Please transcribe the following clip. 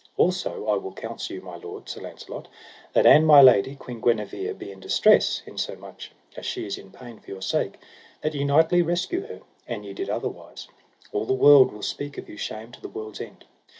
Also I will counsel you my lord, Sir Launcelot, than an my lady, Queen Guenever, be in distress, insomuch as she is in pain for your sake, that ye knightly rescue her; an ye did otherwise, all the world will speak of you shame to the world's end.